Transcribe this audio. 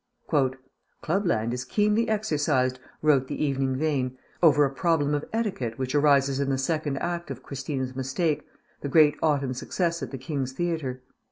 "Clubland is keenly exercised," wrote The Evening Vane, "over a problem of etiquette which arises in the Second Act of Christina's Mistake, the great autumn success at The King's Theatre.